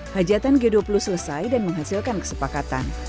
hajatan g dua puluh selesai dan menghasilkan kesepakatan